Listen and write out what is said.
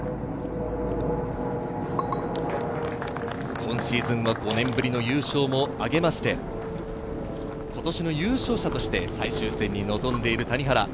今シーズンは５年ぶりの優勝も挙げまして、今年の優勝者として最終戦に臨んでいる谷原。